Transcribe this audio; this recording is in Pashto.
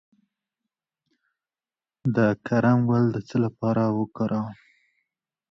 د کرم ګل د څه لپاره وکاروم؟